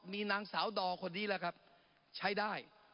มีนางสาวดอคนนี้แหละครับใช้ได้